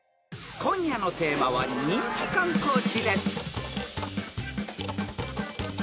［今夜のテーマは「人気観光地」です］